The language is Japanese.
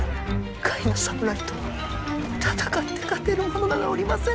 甲斐の侍と戦って勝てる者などおりませぬ！